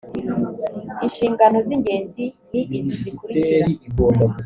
inshingano z ingenzi ni izi zikurikira